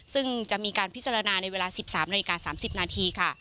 ซึ่งจะมีการพิจารณาในเวลา๑๓นาฬิกา๓๐นาทีค่ะ